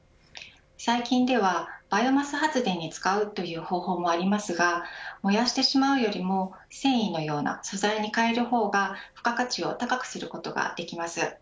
最近ではバイオマス発電に使うという方法もありますが燃やしてしまうよりも繊維のような素材に変える方が付加価値を高くすることができます。